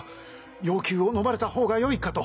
要求をのまれた方がよいかと。